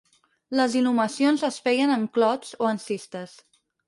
Les inhumacions es feien en clots o en cistes.